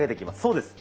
そうです！